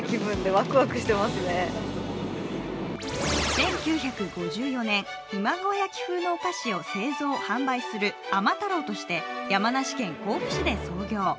１９５４年、今川焼き風のお菓子を製造・販売する甘太郎として山梨県甲府市で創業。